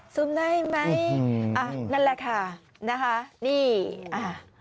ซุมได้ไหมอ่ะนั่นแหละค่ะนะคะนี่อ่า